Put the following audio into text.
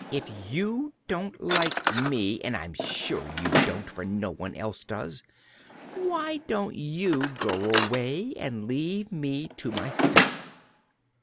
"If you don't like me and I'm sure you don't, for no one else does why don't you go away and leave me to myself?"